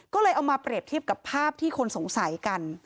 ก็เลยเอามาเปรียบเทียบกับภาพที่คนสงสัยกัน